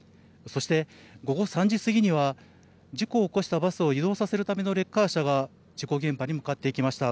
そして、午後３時過ぎには、事故を起こしたバスを移動させるためのレッカー車が事故現場に向かっていきました。